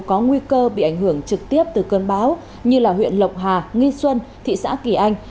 có nguy cơ bị ảnh hưởng trực tiếp từ cơn bão như huyện lộc hà nghi xuân thị xã kỳ anh